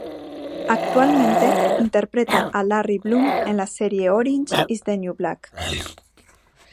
Actualmente interpreta a Larry Bloom en la serie "Orange Is the New Black".